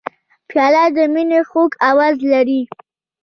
پیاله د مینې خوږ آواز لري.